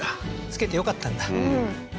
付けてよかったんだうん